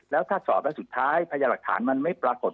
แล้วถ้าสอบแล้วสุดท้ายพยาหลักฐานมันไม่ปรากฏ